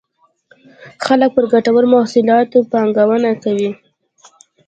خلک په ګټورو محصولاتو پانګونه کوي.